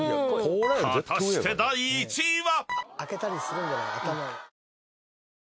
［果たして第１位は⁉］